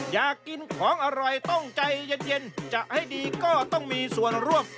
อยากกินของอร่อยต้องใจเย็นจะให้ดีก็ต้องมีส่วนร่วม